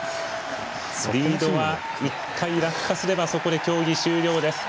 リードは１回落下すればそこで競技終了です。